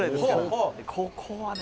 ここはね